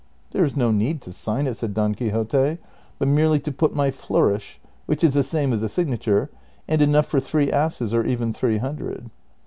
" There is no need to sign it," said Don Quixote, '' but merely to put my flourish,^ which is the same as a signature, and enough for three asses, or even three hundred."